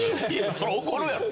そら怒るやろ。